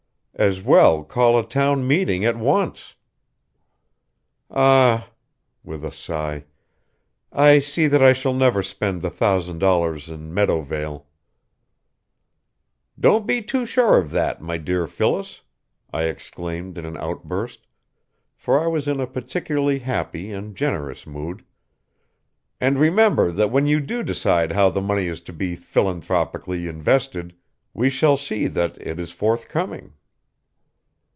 As well call a town meeting at once. Ah," with a sigh "I see that I shall never spend the thousand dollars in Meadowvale." "Don't be too sure of that, my dear Phyllis," I exclaimed in an outburst, for I was in a particularly happy and generous mood; "and remember that when you do decide how the money is to be philanthropically invested we shall see that it is forthcoming."